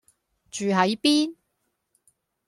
住喺邊